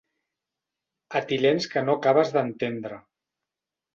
Etilens que no acabes d'entendre.